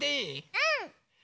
うん！